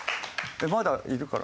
まだいるから。